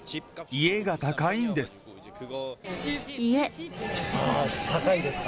家、高いんですか？